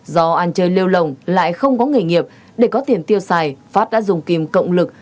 do ăn chơi lêu lồng lại không có nghề nghiệp để có tiền tiêu xài phát đã dùng kim cộng lực